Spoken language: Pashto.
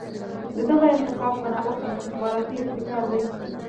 د دغه انتخاب په نوښت استخباراتي ابتکار دی.